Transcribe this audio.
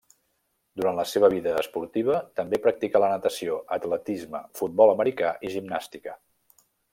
Durant la seva vida esportiva també practicà la natació, atletisme, futbol americà i gimnàstica.